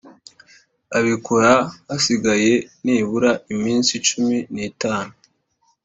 Abikora hasigaye nibura iminsi cumi n’itanu